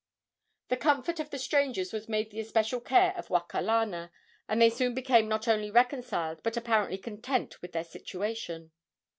The comfort of the strangers was made the especial care of Wakalana, and they soon became not only reconciled but apparently content with their situation.